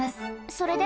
それで？